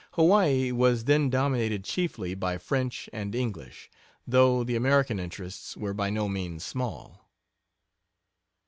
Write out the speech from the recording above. Hawaii was then dominated chiefly by French and English; though the American interests were by no means small.